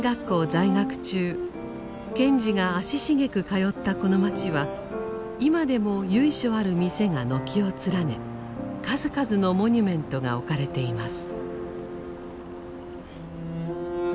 在学中賢治が足しげく通ったこの街は今でも由緒ある店が軒を連ね数々のモニュメントが置かれています。